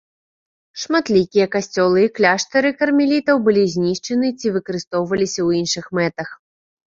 Шматлікія касцёлы і кляштары кармелітаў былі знішчаны ці выкарыстоўваліся ў іншых мэтах.